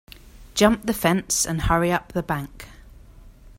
Jump the fence and hurry up the bank.